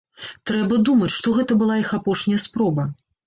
Трэба думаць, што гэта была іх апошняя спроба.